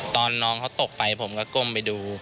ตอนน้องเขาตกไปผมก็ก้มไปดู